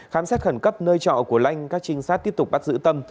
khám xét khẩn cấp nơi trọ của lanh các trinh sát tiếp tục bắt giữ tâm